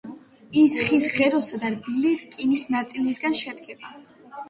ის ხის ღეროსა და რბილი რკინის ნაწილისგან შედგება.